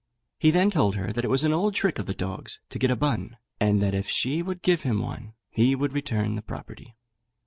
He then told her that it was an old trick of the dog's to get a bun, and that if she would give him one he would return the property.